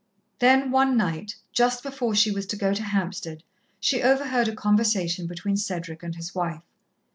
Then one night, just before she was to go to Hampstead, she overheard a conversation between Cedric and his wife.